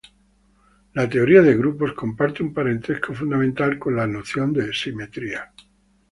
La teoría de grupos comparte un parentesco fundamental con la noción de simetría.